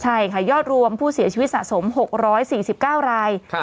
ใช่ค่ะยอดรวมผู้เสียชีวิตสะสม๖๔๙ราย